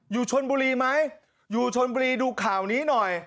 อยู่ชนบุรีไหมอยู่ชนบุรีดูข่าวนี้หน่อย